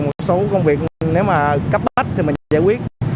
một số công việc nếu mà cấp bách thì mình sẽ giải quyết